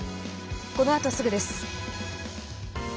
このあと、すぐです。